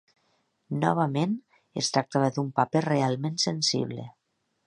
Novament, es tractava d'un paper realment sensible.